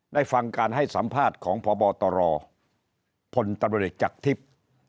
ได้ฟังการให้สัมภาษณ์ของพบตรพลตรจทิพย์